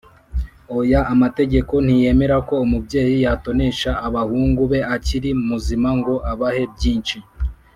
oya. amategeko ntiyemera ko umubyeyi yatonesha abahungu be akiri muzima ngo abahe byinshi,